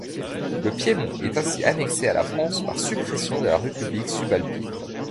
Le Piémont est ainsi annexé à la France, par suppression de la République subalpine.